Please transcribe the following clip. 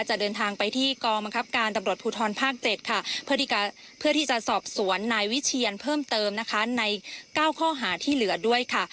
จะเดินทางไปที่กองบังคับการตำรวจภูทรภาค๗ค่ะเพื่อที่จะสอบสวนนายวิเชียนเพิ่มเติมนะคะใน๙ข้อหาที่เหลือด้วยค่ะ